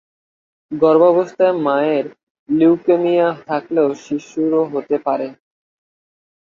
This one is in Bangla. গর্ভাবস্থায় মায়ের লিউকেমিয়া থাকলেও শিশুর হতে পারে।